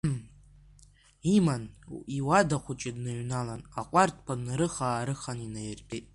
Иман иуада хәыҷы дныҩналан, аҟәардәқәа днарыха-аарыхан инаиртәеит.